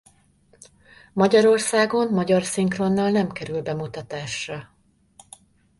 Magyarországon magyar szinkronnal nem kerül bemutatásra.